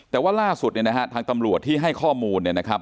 แต่ว่าล่าสุดเนี่ยนะฮะทางตำรวจที่ให้ข้อมูลเนี่ยนะครับ